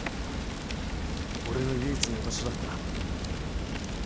俺の唯一の居場所だった。